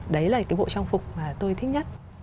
đấy là cái bộ trang phục mà tôi thích nhất